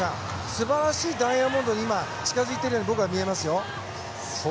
素晴らしいダイヤモンドに近づいているように僕は見えますよ。